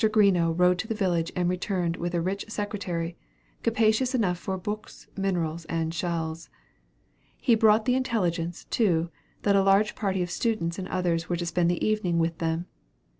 Greenough rode to the village, and returned with a rich secretary, capacious enough for books, minerals, and shells. He brought the intelligence, too, that a large party of students and others were to spend the evening with them.